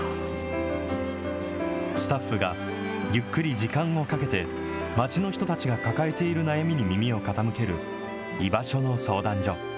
スタッフがゆっくり時間をかけて、街の人たちが抱えている悩みに耳を傾ける、居場所の相談所。